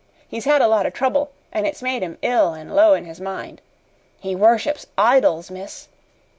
He's had a lot of trouble, an' it's made him ill an' low in his mind. He worships idols, miss.